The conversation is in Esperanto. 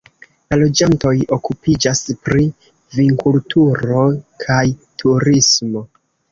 La loĝantoj okupiĝas pri vinkulturo kaj turismo.